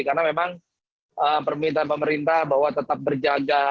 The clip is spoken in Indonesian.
karena memang permintaan pemerintah bahwa tetap berjaga